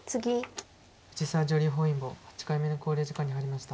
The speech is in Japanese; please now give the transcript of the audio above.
藤沢女流本因坊８回目の考慮時間に入りました。